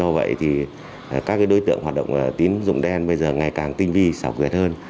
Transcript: do vậy các đối tượng hoạt động tín dụng đen bây giờ ngày càng tinh vi sọc vẹt hơn